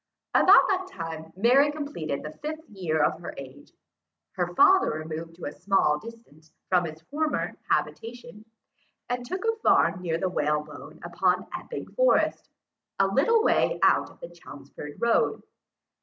About the time that Mary completed the fifth year of her age, her father removed to a small distance from his former habitation, and took a farm near the Whalebone upon Epping Forest, a little way out of the Chelmsford road.